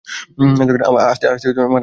আসতে মানা করে দিয়েছিলাম আপনাকে।